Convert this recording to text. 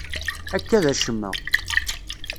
Akka d acemma.